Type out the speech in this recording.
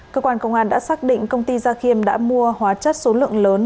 cơ quan công an đã xác định công ty gia khiêm đã mua hóa chất số lượng lớn